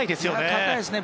堅いですね。